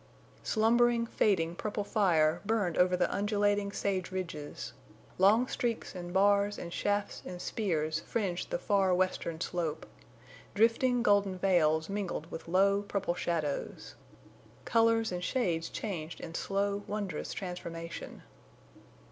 Slumbering, fading purple fire burned over the undulating sage ridges. Long streaks and bars and shafts and spears fringed the far western slope. Drifting, golden veils mingled with low, purple shadows. Colors and shades changed in slow, wondrous transformation.